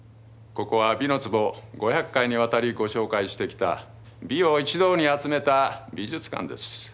ここは「美の壺」５００回にわたりご紹介してきた「美」を一堂に集めた美術館です。